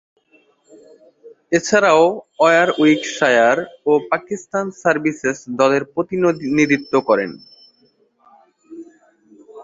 এছাড়াও ওয়ারউইকশায়ার ও পাকিস্তান সার্ভিসেস দলের প্রতিনিধিত্ব করেন।